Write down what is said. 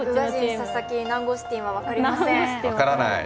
佐々木とナンゴスティンは分かりません。